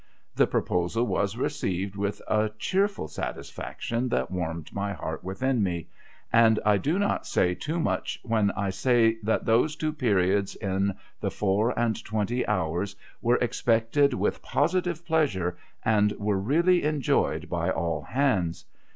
The proposal was received with a cheerful 134 THE WRECK OF THE GOLDEN" MARY s iiisfixction that warmed my heart within me ; and I do not say too much when I say that those two periods in the four and twenty hours were expected with positive pleasure, and were really enjoyed by all hantls.